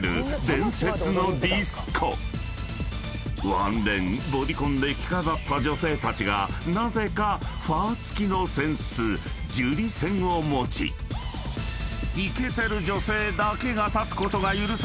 ［ワンレンボディコンで着飾った女性たちがなぜかファー付きの扇子ジュリ扇を持ちイケてる女性だけが立つことが許された］